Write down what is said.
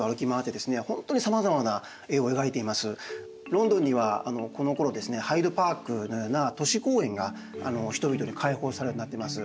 ロンドンにはこのころですねハイドパークのような都市公園が人々に開放されるようになってます。